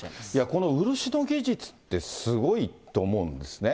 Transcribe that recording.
この漆の技術って、すごいと思うんですね。